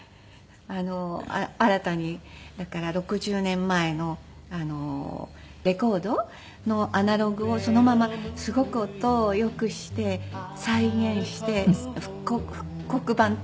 新たにだから６０年前のレコードのアナログをそのまますごく音を良くして再現して復刻版っていうので出たんですね。